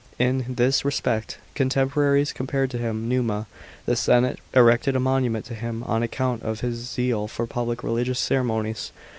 In this respect, contemporaries compared him to Numa, The senate erected a monument to him on account of his zeal for public religious ceremonies.